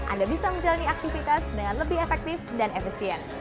anda bisa menjalani aktivitas dengan lebih efektif dan efisien